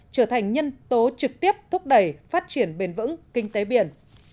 trở thành nhân tố trực tiếp thúc đẩy phát triển bền vững kinh tế biển